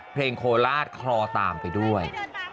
เพลงโคลาศครอตามไปด้วย